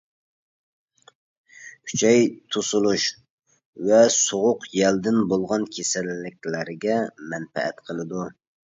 ئۈچەي توسۇلۇش ۋە سوغۇق يەلدىن بولغان كېسەللىكلەرگە مەنپەئەت قىلىدۇ.